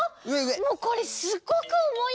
もうこれすっごくおもいんだよ。